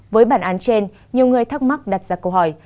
với bản án trên nhiều người thắc mắc đặt ra câu hỏi